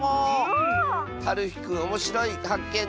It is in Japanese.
はるひくんおもしろいはっけん